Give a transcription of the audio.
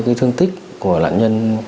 cái thương tích của nạn nhân